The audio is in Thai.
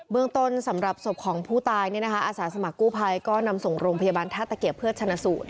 เมืองต้นสำหรับศพของผู้ตายนี่นะคะอาสาสมกุภัยก็นำส่งโรงพยาบาลธาตุเกียร์เพื่อชนะสูตร